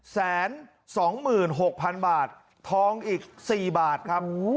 แสนสองหมื่นหกพันบาททองอีก๔บาทครับ